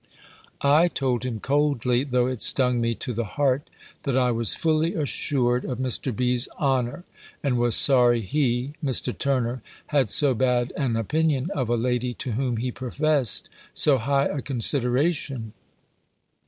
I told him coldly, though it stung me to the heart, that I was fully assured of Mr. B.'s honour; and was sorry he, Mr. Turner, had so bad an opinion of a lady to whom he professed so high a consideration.